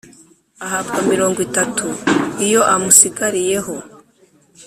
ahabwa mirongo itatu iyo amusigariyeho